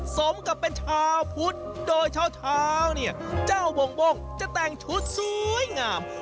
สมกับเป็นชาวพุทธโดยเช้าเนี่ยเจ้าวงบ้งจะแต่งชุดสวยงาม